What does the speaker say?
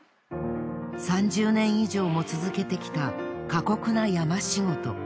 ３０年以上も続けてきた過酷な山仕事。